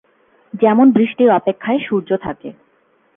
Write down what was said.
যেমন বৃষ্টির অপেক্ষায় সূর্য থাকে।